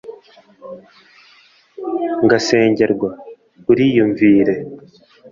ngasengerwa, uriyumvire